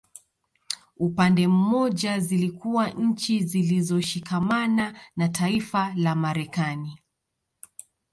Upande mmoja zilikuwa nchi zilizoshikama na taifa la Marekani